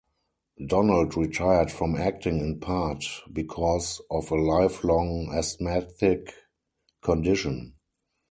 Donald retired from acting in part because of a lifelong asthmatic condition.